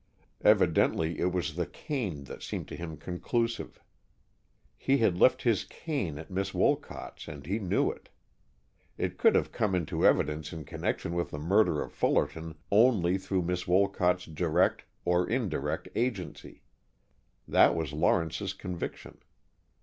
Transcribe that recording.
Evidently it was the cane that seemed to him conclusive. He had left his cane at Miss Wolcott's and he knew it. It could have come into evidence in connection with the murder of Fullerton only through Miss Wolcott's direct or indirect agency. That was Lawrence's conviction.